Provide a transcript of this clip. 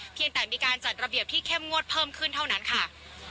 เพียงแต่มีการจัดระเบียบที่เข้มงวดเพิ่มขึ้นเท่านั้นค่ะ